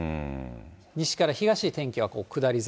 西から東へ天気は下り坂。